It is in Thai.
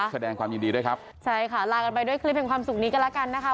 แสดงความยินดีด้วยครับใช่ค่ะลากันไปด้วยคลิปแห่งความสุขนี้กันแล้วกันนะคะ